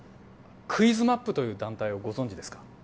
クイズマップという団体をご存じですか？